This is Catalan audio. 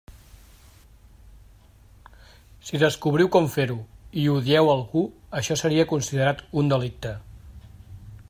Si descobriu com fer-ho, i ho dieu a algú, això seria considerat un delicte.